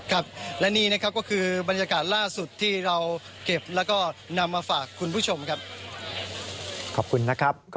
ครับและนี่นะครับก็คือบรรยากาศล่าสุดที่เราเก็บแล้วก็นำมาฝากคุณผู้ชมครับขอบคุณนะครับ